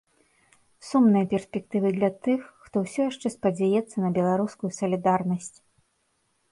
Сумныя перспектывы для тых, хто ўсё яшчэ спадзяецца на беларускую салідарнасць.